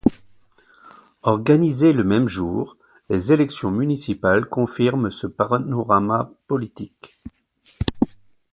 Organisées le même jour, les élections municipales confirment ce panorama politique.